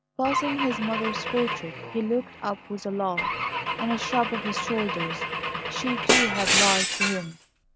Passing his mother's portrait, he looked up with a laugh and a shrug of his shoulders. She, too, had lied to him.